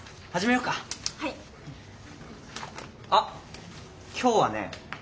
あっ今日はね